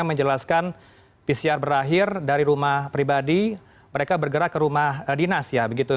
menjelaskan pcr berakhir dari rumah pribadi mereka bergerak ke rumah dinas ya begitu